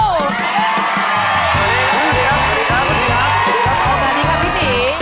สวัสดีครับสวัสดีครับสวัสดีครับ